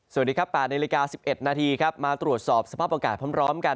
สวัสดีครับ๘นาฬิกา๑๑นาทีครับมาตรวจสอบสภาพอากาศพร้อมกัน